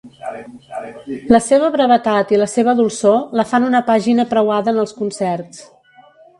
La seva brevetat i la seva dolçor la fan una pàgina preuada en els concerts.